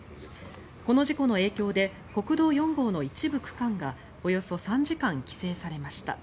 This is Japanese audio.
この事故の影響で国道４号の一部区間がおよそ３時間規制されました。